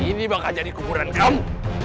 ini bakal jadi kuburan kamu